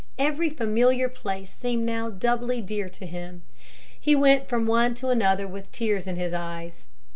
Every familiar place seemed now doubly dear to him. He went from one to another with tears in his eyes.